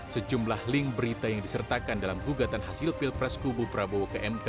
sejumlah link berita yang disertakan dalam gugatan hasil pilpres kubu prabowo ke mk